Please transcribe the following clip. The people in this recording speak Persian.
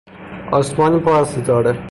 آسمانی پر از ستاره